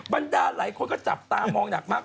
บรรดาหลายคนก็จับตามองหนักมาก